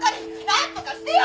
なんとかしてよ！